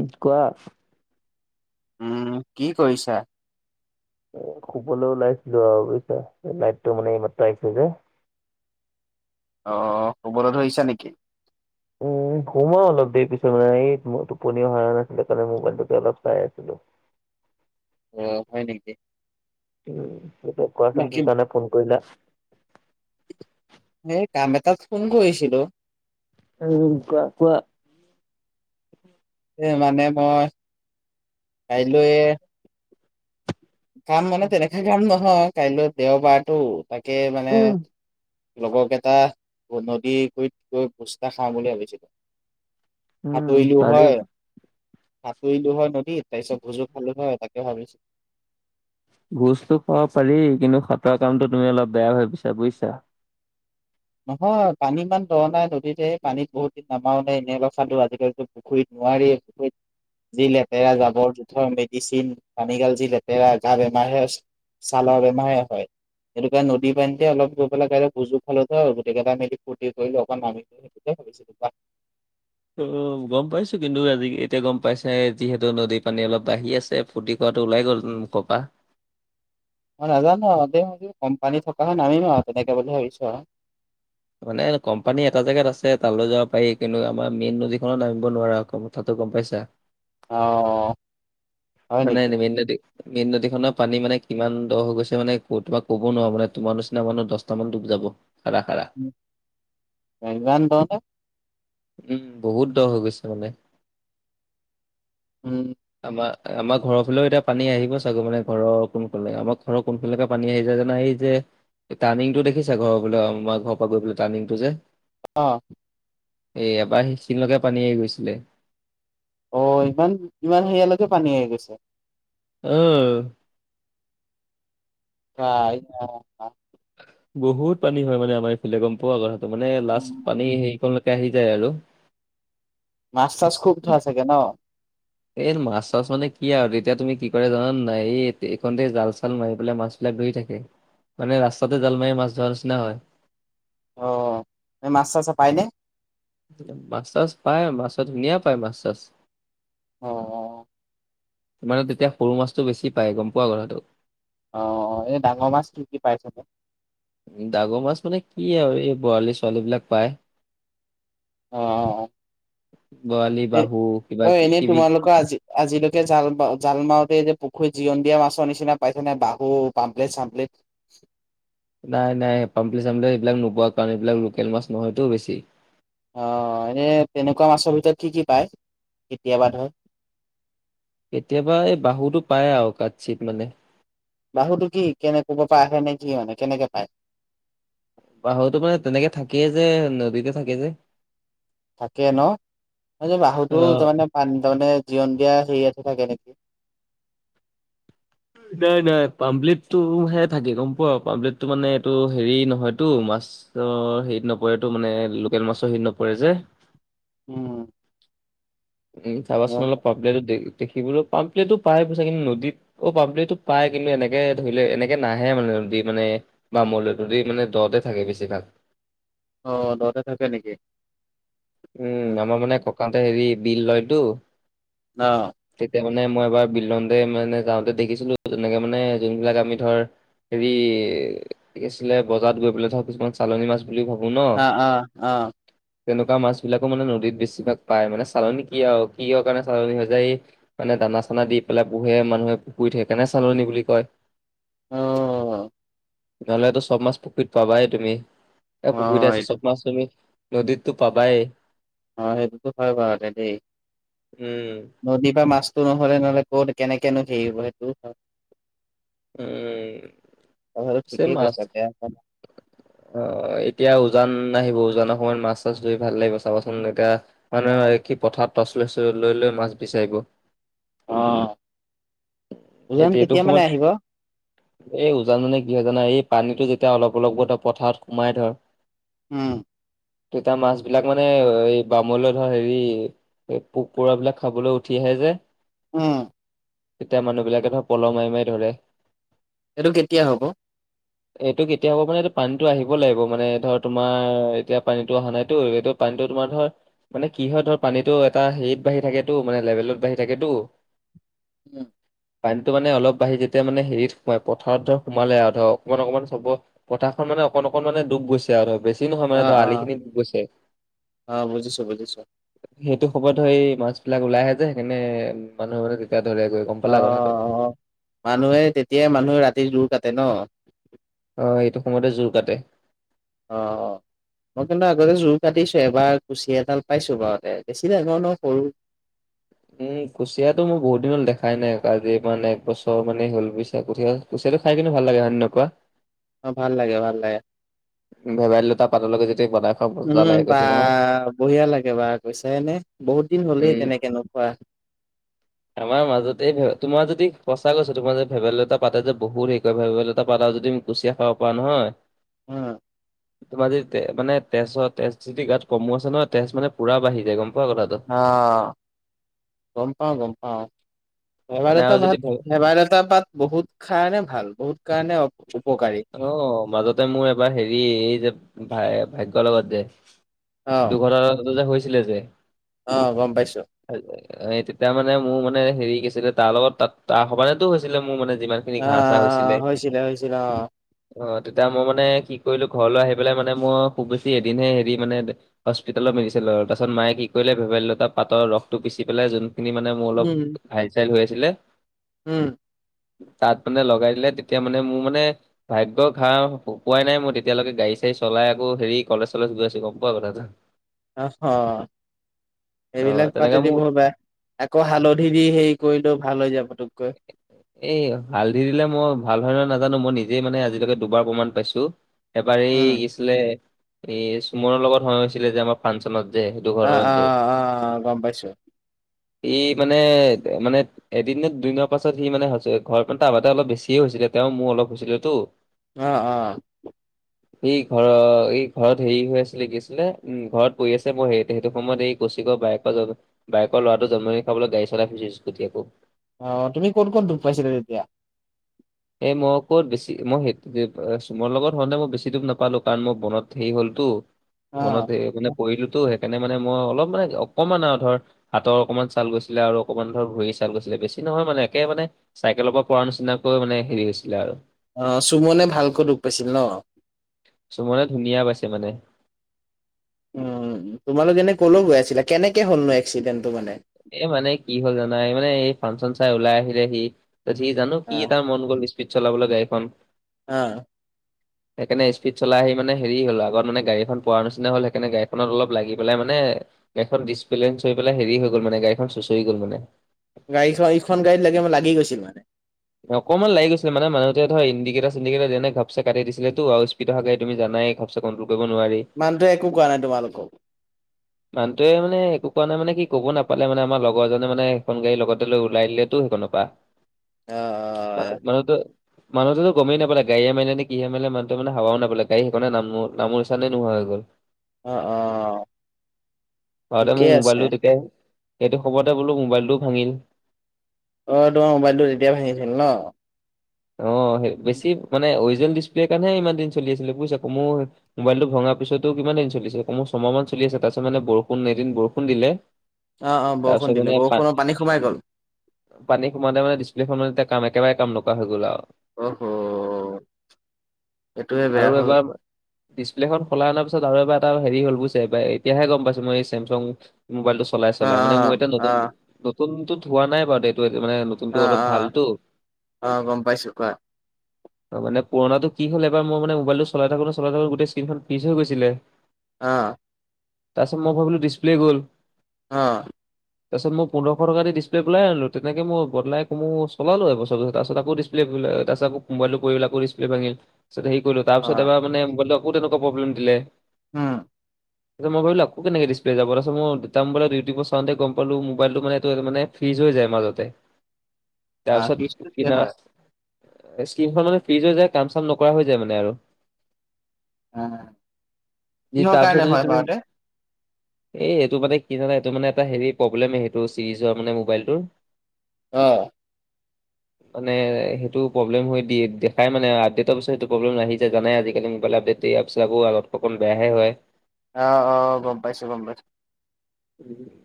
উম, কোৱা? উম, কি কৰিছা? শুবলৈ ওলাইছিলো আৰু বুজিছা? লাইটটো মানে এইমাত্ৰা আহিছে যে। অঁ, শুবলে ধৰিছা নেকি? উম, শুমআও অলপ দেৰি পিছতে। এই টোপনি অহা নাছিলে কাৰণে মোবাইলটোকে অলপ চাই আছিলোঁ। অঁ, হয় নেকি? উম, পিছে কোৱাচোন বাকী কি কাৰণে ফোন কৰিলা? এই কাম এটাত ফোন কৰিছিলোঁ। হয় নেকি, কোৱা কোৱা? এ মানে মই কাইলৈয়ে কাম মানে তেনেকা কাম নহয়, কাইলৈ দেওবাৰটো তাকে মানে উম, লগৰক এইটা নদী গুৰিত গৈ ভোজ এটা খাম বুলি ভাবিছিলোঁ। উম, সাতুৰিলো পাৰি হয়। সাতুৰিলো হয় নদী তাৰপিছত ভোজো খালো হয়, তাকে ভাবিছোঁ। ভোজতো খাব পাৰি কিন্তু সাঁতুৰা কামটো তুমি অলপ বেয়া ভাবিছা বুজিছা? নহয়, পানী ইমান দ' নাই। নদীতে পানীত বহুত দিন নামাও নাই এনেই অলপ চালোঁ আজি গৈছিলোঁ। পুখুৰীত নোৱাৰি পুখুৰীত যি লেতেৰা জাবৰ-জোথৰ, মেডিচিন। পানীগাল যি লেতেৰা গা বেমাৰে হৈছ, চালৰ বেমাৰহে হয়। এনেকুৱা নদীৰ পানীতে অলপ গৈ পেলাই গা ধুই ভুজো খালোঁ। ন ' গোটেইকেইটা মিলি ফুৰ্তি কৰিলো অকণ নামিলো সেই ভাবি ত' গম পাইছো কিন্তু আজি এতিয়া গম পাইছাই যিহেতু নদীৰ পানী অলপ বাঢ়ি আছে। ফূৰ্তি কৰাটো ওলাই গ'ল মোৰ মুখৰপৰা। মই নাজানো নহয় এতিয়া। কম পানী থকা হয় নামিম আৰু তেনেকে বুলি ভাবিছো আৰু। মানে কম পানী এটা জেগাত আছে তালৈ যাব পাৰি কিন্তু আমাৰ মেইন নদীখনত নামিব নোৱাৰা। ক কথাতো গম পাইছা? অ', অ' মানে [inaudible] মেইন নদীখনৰ পানী মানে কিমান দৰ হৈ গৈছে মানে তোমাক ক'ব নোৱাৰো মানে তোমাৰ নিচিনা মানুহ দহটা মান ডুব যাব। [inaudible] বা ইমান দ নে? উম বহুত দ হৈ গৈছে মানে। উম, আমাৰ আমাৰ ঘৰৰ ফালেও এতিয়া পানী আহিব চাগো মানে ঘৰৰ কোন কলে আমাৰ ঘৰৰ কোনফালেকে পানী আহিছে জানা এই যে, টানিংটো দেখিছে ঘৰ বোলে আমাৰ ঘৰ পৰা গৈ পালে টানিংটো যে, অ' এ এবাৰ সেইখিনি লৈকে পানী আহি গৈছিলে। অ', ইমান ইমান সেয়ালৈকে পানী আহি গৈছে। উম [unintelligible] বহুত পানী হয় মানে আমাৰ এইফালে গম পোৱা। কথাটো মানে লাষ্ট পানী সেইকন লৈকে আহি যায় আৰু। মাছ চাছ খুব ধৰা চাগে ন? এই মাছ চাছ মানে কি আৰু তেতিয়া তুমি কি কৰে জান নাই এই এইকনতে জাল চাল মাৰি পেলাই মাছ এইবিলাক ধৰি থাকে মানে ৰাস্তাতে জাল মাৰি মাছ ধৰা নিচিনা হয়। অ'অ এই মাছ চাচ পায়নে? মাছ চাছ পায় মাছ ধুনীয়া পায় মাছ চাছ অ', অ মানে তেতিয়া সৰু মাছটো বেছি পায় গম পোৱা কথাটো। অ', অ, এই ডাঙৰ মাছটো কি কি পাইছে? ডাঙৰ মাছ মানে কি আৰু এই বৰালি চৰালী বিলাক পাই। অ', অ, বৰালি অ, এ বাহু কিবা অ এনেই কিবি তোমালোকৰ আজি আজিলৈকে জালা জাল মাৰোতে যে পুখুৰীত জিৰণ দিয়া মাছৰ নিচিনা পাইছে নে বাহু পাম্প্লেট চাম্প্লেট নাই নাই পাম্পলি চামলি এইবিলাক নোপোৱা কাৰণ এইবিলাক লোকেল মাছ নহয়তো বেছি অ', এনেই তেনেকুৱা মাছৰ ভিতৰত কি কি পায়। কেতিয়াবা ধৰ কেতিয়াবা এই বাহুতটো পায় আৰু কাঠ চিত মানে বাহুটো কি কেনে ক'ব পৰা আহে নে কি মানে কেনেকে পায়। বাহুটো মানে তেনেকে থাকেই যে নদীতে থাকে যে। থাকে ন, বাহুতো অ', তাৰমানে, তাৰমানে জীয়ন দিয়া হেৰিয়াতহে থাকে নেকি? নাই, নাই! পামপ্লেটটোহে থাকে গম পোৱা, পামপ্লেট টো মানে এইটো হেৰি নহয়তো মাছ অ', হেৰিত নপৰেতটো মানে লোকেল মাছৰ হেত নপৰে যে। উম উম, চাবাচোন অলপ পাম্প্লেটো দে দেখিবলৈ পাম্প্লেটো পাই পইচা কিন্তু নদীত অ' পামপ্লেটটো পায়, কিন্তু এনেকে ধৰিলে এনেকে নাহে মানে নদী মানে বামলেটো যদি মানে দতে থাকে বেছি ভাগ অ', দ'তে থাকে নেকি? অ', উম, আমাৰ মানে ককাহঁতে হেৰি বিল লয়তো। অ' তেতিয়া মানে মই এবাৰ বিল লওঁতে মানে যাওঁতে দেখিছিলোঁ। তেনেকে মানে যোনবিলাক আমি ধৰ হেৰি কি আছিলে বজাৰত গৈ পেলে ধৰ‌ কিছুমান চালনী মাছ বুলি ভাবোঁ ন। অ', অ'। তেনেকুৱা মাছ বিলাকো মানে নদীত বেছিভাগ পায় মানে চালন কি আউ কি অ কাৰণে চালনী হৈ যায় এই মানে দানা চানা দি পেলাই পোহে মানুহে পুখুৰীত সেই কাৰণে চালনী বুলি কয়! অ' নহ'লেতো চব মাছ পুখুইত পাবাই তুমি এ পুখুইতে অ', আছে এইটো চব মাছ তুমি নদীতটো পাবাই অ', সেইটোতো হয় বাৰুতে দেই উম নদীৰ পা মাছতো নহ'লে, নহ'লে ক'ত কেনেকেনো হেৰি হ'ব, সেইটোও হয়! উম কথাটো চে ঠিকেই মাছ কৈছা বেয়া কোৱা নাই। অ' এতিয়া উজান আহিব! উজানৰ সময়ত মাছ চাছ ধৰি ভাল লাগিব! চাবাচোন এতয়া মানুহে ভাবে কি পথাৰত তছ ল লৈ, লৈ মাছ বিচাৰিব! অঁ এতিয়া এইটো সমইত [unintelligible] এই উজান মানে কি হয় জানা, এই পানীটো যেতিয়া অলপ অলপকৈ ধ পথাৰত সোমাই ধয় উম তেতিয়া মাছবিলাক মানে এ এই বামলৈ ধৰ হেৰি এই পোক পৰুৱাবিলাক খাবলৈ উঠি আহে যে উম তেতিয়া মানুহবিলাকে ধৰ পল' মাৰি, মাৰি ধৰে! এইটো কেতিয়া হ'ব এইটো কেতিয়া হ'ব মানে এইটো পানীটো আহিব লাগিব! মানে ধৰ, তোমাৰ এতিয়া পানীতো অহা নাইটো এইটো পানীটো তোমাৰ ধৰ মানে কি হয় ধৰ পানীটো এটা হেৰিত বাঢ়ি থাকেটো মানে লেভেলত বাঢ়ি থাকেতো উম পানীটো মানে অলপ বাঢ়ি যেতিয়া মানে হেৰিত সোমাই পথাৰত ধৰ সোমালে আউ ধৰ অকণমান অকণমান চব পথাৰখন মানে অকণ অকণ মানে ডুব গৈছ ছে, আউ বেছি নহয় মানে অ', ধৰ, অ', আলিখিনিত গৈছে! অ', বুজিছোঁ বুজিছোঁ। সেইটো সময়ত ধৰ এই মাছবিলাক ওলাই আহে যে সেইকাৰণে মানুহে মানে তেতিয়া ধৰেগৈ অ', অ', মানুহে তেতিয়াই মানুহে ৰাতি জোৰ কাটে ন অ', এইটো সময়তে জোৰ কাটে! অ', অ' মই কিন্তু আগতে জোৰ কাটিছোঁ! এবাৰ কুচিয়া এডাল পাইছোঁ! [inaudible] সৰু উম, কুচিয়াতো মোৰ বহুত দিন হ'ল দেখাই নাই! আজি মানে একবছৰ মানেই হ'ল বুইছা কুচিয়া কুচিয়াটো খাই কিন্তু ভাল লাগে! হয়নে নহয় কোৱা! অ' ভাল লাগে, ভাল লাগে! ভেদাইলতা পাতৰ লগত যেতিয়া বনাই খোৱা মজা উম লাগে বা কৈছো নহয় বঢ়িয়া লাগে বা কৈছাই নে? বহুত দিন হ'লেই উম। তেনেকে নোখোৱা, আমাৰ মাজতে হে তোমাৰ যদি সঁচা কৈছো তোমাৰ যে ভেভেলতা পাতে যে বহুত হেৰি ভেভেলতা পাত আৰু যদি, কুচিয়া খাব পা নহয়, উম তোমাৰ যি তে মানে তেছত তেছ যদি গাত কমো আছে নহয় তেছ মানে পুৰা বাঢ়ি যায় গম পোৱা কথাটো, অঁ, গম পাওঁ গম পাওঁ! ভেবাই মানে লতা আৰু যদি পাত ভে ভেবাই লতা পাত বহুত খাৰণে ভাল বহুত কাৰণে উ উপকাৰী, অঁ, মাজতে মোৰ এবাৰ হেৰি এই যে ভাই ভাগ্য লগত যে, অ দুৰ্ঘটনা টো হৈছিলে যে, অ গম পাইছো এ তেতিয়া মানে মোৰ মানে হেৰি কি আছিলে তাৰ লগত তাত তাৰ সমানেতো হৈছিলে মোৰ মানে যিমান খিনি ঘাঁ চা আহ অ হৈছিলে হৈছিলে অ অ তেতিয়া মই মানে কি কৰিলো ঘৰলৈ আহি পেলাই মানে মই খুব বেছি এদিনহে হেৰি মানে হস্পিতেলত মেডিচিন ললো তাৰ পাছত মায়ে কি কৰিলে ভেবেলি লতা পাতৰ ৰসটো পিচি পেলাই যোনখিনি মানে মোৰ অলপ উম ঘাইল চাইল হৈ আছিলে উম তাত মানে লগাই দিলে তেতিয়া মানে মো মানে ভাগ্য ঘাঁ শুকোৱা নাই মই তেতিয়ালৈকে গাড়ী চাড়ী চলাই আকৌ হেৰি কলেজ চলেজ গৈ আছো গম পোৱা কথাটো অ হ অ', এইবিলাক তেনেকে পাতেদি মোৰ বৰ বেয়া আকৌ হালধি দি হেৰি কৰিলেও ভাল হৈ যায় পুটুককৈ এই হালধি দিলে মই ভাল হয় নহয় নাজানো মই নিজেই মানে আজিলৈকে দুবাৰ প্ৰমাণ পাইছো এবাৰ এই উম কি আছিলে এই চুমনৰ লগত হৈছিলে যে আমাৰ ফাংচনত যে সেইটো অ অ ঘটনাটো, অ গম পাইছো ই মানে মানে এদিন নে দুদিনত তাৰপাছত সি মানে হৈছে ঘৰত মানে তাহাত অলপ বেছিয়ে হৈছিলে তেওঁ মোৰ অলপ হৈছিলে তো, অ অ এই ঘৰ এই ঘৰত হেৰি হৈ আছিলে কি আছিলে উম ঘৰত পৰি আছে মই সে সেইটো সময়ত এই, গুচি গৈ বাইকৰ বাইকৰ লৰাটো জন্ম দিন খাবলৈ গাড়ী চলাই ফুৰিছে স্কুটি আকৌ অ তুমি কত কত দুখ পাইছিলা তেতিয়া এই মই ক'ত বেছি মই সেই এ চোমনৰ লগত হওঁতে মই বেছি দূখ নাপালো কাৰণ মই বনত হেৰি হলতো, অ বনত সে মানে পৰিলোতো সেইকাৰণে মানে মই অলপ মানে অকমান আও ধৰ হাতৰ অকণমান ছাল গৈছিলে আৰু অকমান ধৰ ভৰি ছাল গৈছিলে বেছি নহয় মানে একে মানে, চাইকেলৰ পৰা নিচিনাকৈ মানে হেৰি হৈছিলে আৰু অ চোমনে ভালকৈ দুখ পাইছিল ন চোমনে ধুনীয়া পাইছে মানে উম তোমালোক এনে ক'লৈ গৈ আছিলা কেনেকে হ'লনো এক্সিডেণ্টটো মানে এ মানে কি হ'ল জানা এই মানে এই ফাংচন চাই ওলাই আহিলে সি তাৰপিছত কি জানো অ কি তাৰ মন গ'ল স্পীড চলাবলৈ গাড়ীখন, হা সেইকাৰণে স্পিড চলাই আহি মানে হেৰি হ'ল আগত মানে গাড়ীখন পোৱা নিচিনা হল সেইকাৰণে গডীখনত অলপ লাগি পেলাই মানে, গাড়ীখন ডিচবেলেইচ হৈ পেলাই হেৰি হৈ গল মানে গড়ীখন চুচৰি গল মানে গাড়ীখন ইখন গাড়ীত লাগি লাগি গৈছিল মানে, অকনমান লাগি গৈছিল মানে মানুহটোৱে ধৰ ইডিকেটৰ চিনডিকটৰ যেনে ঘাপচে কাটি দিছিলেতো স্পীড অহা গাড়ী তুমি জানাই ঘবচে কট্ৰল কৰিব নোৱাৰি মানুহটোৱে একো কোৱা নাই তোমালোকক মানুহটোৱে মানে একো কোৱা নাই মানে কি ক'ব নাপালে মানে আমাৰ লগৰজনে মানে এখন গাড়ী লগতে লৈ ওলাই দিলেতো সেইখনৰ পৰা, অহ মা মানুহটোৰ মানুহতো গমেই নাপালে গাৰীয়ে মাৰিলে নে কিহে মাৰিলে মানুহটো মানে হাৱা নাপালে গাড়ী সেইকাৰনে নামো নামো নিছান নোহোৱা হৈ গ'ল অ অ হ‌ওতে মোৰ ঠিকেই আছে মোবাইলটো তেতিয়া সেইটো খবৰতে বোলো মোবাইলটো ভাঙিল অ তোমাৰ মোবাইলটো তেতিয়াই ভাঙিছিল ন অ, সেই বেছি মানে অৰিজেল ডিচপ্লেৰ কাৰণেহে ইমান দিন চলি আছিলে বুজিছ কমেও মোবাইলটো ভঙাৰ পিছতো কিমানদিন চলিছে কমেওঁ ছমাহ মান চলি আছে তাৰপিছত মানে বৰষুণ এদিন বৰষুণ দিলে অ, অ, তাৰপিছত বৰষুণ মানে দিলে পা বৰষুণৰ পানী সোমাই গ'ল। পানী সোমাওঁতে মানে ডিছপ্লেখন মানে কাম, একেবাৰে কাম নকৰা হৈ গ'ল আৰু। অহ এইটোয়ে বেয়া আৰু হ'ল এবাৰ ডিছপ্লেখন খলাই অনাৰ পিছত আৰু এবাৰ এটা হেৰি হ'ল, বুইছে এতিয়াহে গম পাইো, মই এই চেমসং মোবাইলটো অ', চলাই-চলাই মানে অ', মোৰ এতিয়া নতুন, অ', নতুনটোত হোৱা নাই বাৰু, এইটো মানে অ, নতুনটো অলপ অ, ভালতো অ, গম পাইছো, কোৱা। অ, মান পুৰণাটো কি হ'ল, এবাৰ মই মানে মোবাইলটো চলাই থাকোটো, চলাই থাকোটো, গোটেই স্কীণখন ফ্ৰিজ হৈ গৈছিলে। অ, তাৰ পিছত মই ভাবিলো, দিছপ্লে গ'ল। অ, তাৰপিছত মই পোন্ধশ টকা দি ডিছপ্লে বদলাই, আনিলো। তেনেকে মই বদলাই কমেওঁ চলালো এ, বছৰ তাৰপাছত আকৌ ডিছপ্লে তাৰপাছত আকৌ মোবাইল টো, পৰি আকৌ দিছপ্লে ভাঙিল। পিছত হেৰি কৰিলো তাৰ পিছত অ', এবাৰ মানে মবাইলটো মো, তেনেকুৱা প্ৰব্লেম দিলে। উম, যে মই ভাবিলো আকৌ, কেনেকে ডিছপ্লে যাব, তাৰ পিছত মই দেউতাৰ মোবাইলত ইউটিউব চাওঁতে গম পালো, মোবাইলটো মানে এইটো মানে ফ্ৰিজ হৈ যায়, মাজতে। অ, তাৰপিছত [inaudible] কিনা, স্কিন খন মানে ফ্ৰিজ হৈ যায়, কাম-চাম নকৰা হৈ যায় মানে আৰু। যি কিহৰ তাৰপিছত কাৰণে যদি হয় তুমি বাৰুতে এই, এইটো মানে কি জানা, এইটো মানে এটা হে প্ৰব্লেম সেইটো চিৰিজৰ মানে, মোবাইলটোৰ। অ, মানে সেইটো প্ৰব্লেম হৈ দি দেখাই মানে, আপডেটৰ পিছত সেইটো প্ৰবলেম আহি যায়, জানাই আজিকালি মোবাইল আপডেট দিয়াৰ পিছত, আকৌ অলপ অকণ বেয়াহে হয়। অ, অ, গম পাইছো, গম পাইছো।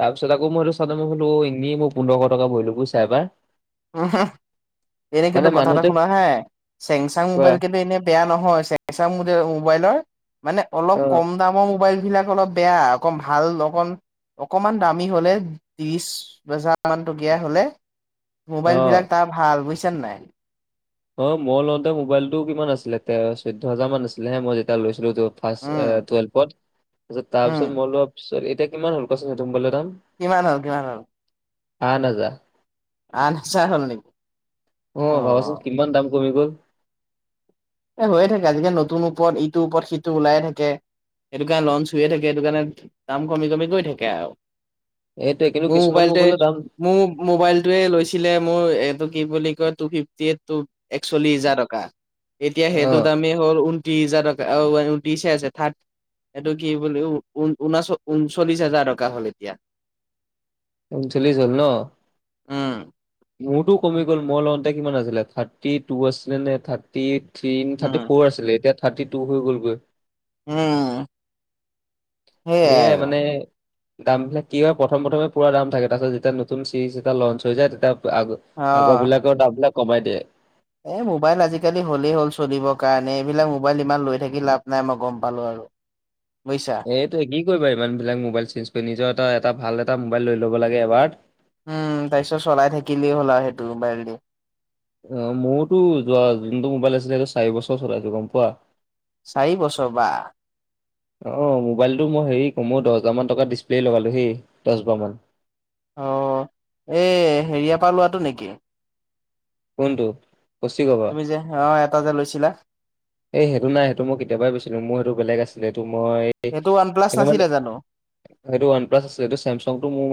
তাৰ পিছত আকৌ মইটো, [inaudible] এনেই মই পোন্ধৰশ টকা ভৰিলো, এবাৰ উম, হম, এনে মানে কিন্তু কথা এটা মানুহটোৱে শুনা হা, চেমচাং মোবাইল কিন্তু এনে বেয়া নহয়, ছেমসং মোবাইলৰ, মানে অলপ অ', কম দামৰ, মোবাইল বিলাক অলপ বেয়া, অকণ ভাল অকণ অকণমান দামী হ'লে, ত্ৰিছ হাজাৰ মান টকীয়া হ'লে। মোবাইল অ', বিলাক তাৰ ভাল, বুজিছ নে নাই। অ, মই লওঁতে মোবাইল টো কিমান আছিলে, তে চৈধ্য হাজাৰ মান আছিলে হে, মই যেতিয়া লৈছিলো তো। ফাৰ্ষ উম টুৱেলভত, পিছত তাৰ উম পিছত মই লোৱা পিছত এতিয়া কিমান হ'ল কোৱাচোন সেইটো মোবাইলৰ দাম? কিমান হ'ল, কিমান হ'ল? আঠ হাজাৰ। আঠ হাজাৰ হ'ল নেকি? অ, ভাবাচোন কিমান দাম কমি গ'ল। এই, হৈয়ে থাকে, আজিকালি নতুন ওপৰত ইটোৰ ওপৰত সিটো ওলায়ে থাকে। সেইটো কাৰণে লনচ হৈয়ে থাকে, সেইটো কাৰণে দাম কমি-কমি গৈ থাকে আৰু। এইটোৱে, কিন্তু মোৰ কিছুমান মোবাইলটোৱে মোবাইলৰ দাম মোৰ মোবাইলটোৱে লৈছিলে, মোৰ এইটো কি বুলি কয়, টু ফিফটি টো একচল্লিশ হাজাৰ টকা। এতিয়া অ সেইটো দামেই হ'ল, ঊনত্ৰিশ হাজাৰ টকা, ঊনত্ৰিশ আছে থাৰ্ড এইটো কি বুলি ঊন-ঊনাচ, ঊনচল্লিশ হাজাৰ টকা হ'ল এতিয়া। ঊনচল্লিশ হ'ল ন। উম, মোৰতো কমি গ'ল মোৰ লওঁতে কিমান আছিলে থাৰ্টি টু আছিলে নে্টি- থ থ থাৰ্টি উম, ফ'ৰ আছিলে এতিয়া থাৰ্টি টু হৈ গ'লগৈ। উম। সেইয়াই সেয়োই আৰু মানে। দাম বিলাক কি হয় প্ৰথম প্ৰথমে পুৰা দাম থাকে তাৰপাছত যেতিয়া নতুন চিৰিজ এটা লঞ্চ হৈ যায় তেতিয়া আগ আগৰ বিলাকৰ দাম বিলাক কমাই দিয়ে। এ মোবাইল আজিকালি হ'লেই হ'ল চলিবৰ কাৰণে এইবিলাক মোবাইল ইমান লৈ থাকি লাভ নাই মই গম পালো আৰু। বুজিছা। এইটো কি কৰিবা ইমান বিলাক মোবাইল চেঞ্জ কৰি নিজৰ এটা এটা ভাল এটা মোবাইল লৈ ল'ব লাগে এবাৰ। উম তাৰপিছত চলাই থাকিলেই হ'ল আৰু সেইটো বাৰলি। অ মোৰতো যোৱা যোনটো মোবাইল আছিলে সেইটো চাৰি বছৰ চলটো গম পোৱা। চাৰি বছৰ বা। অ মোবাইলটো মই হেৰি কময় দহ হাজাৰ মান টকা ডিছপ্লেই লগালো হেই দহ বাৰ মান। অ, এই হেৰিয়াৰ পৰা লোৱাটো নেকি? কোনটো, কচি গবা। কছিক। এই সেইটো নাই সেইটো মই কেতিয়াবাই বিচছিলো মোৰ সেইটো বেলেগ আছিলে সেইটো মই- সেইটো ওৱান প্লা সেইটো মানে নাছিলে জানো? সেইটো ৱান প্লা আছেটো চমচংটো মোৰ-